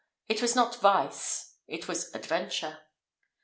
It was not vice it was adventure.